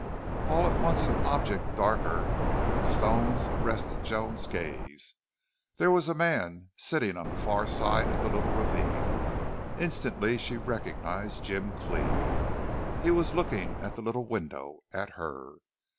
All at once an object darker than the stones arrested Joan's gaze. There was a man sitting on the far side of the little ravine. Instantly she recognized Jim Cleve. He was looking at the little window at her.